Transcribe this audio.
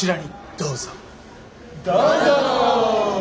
どうぞ！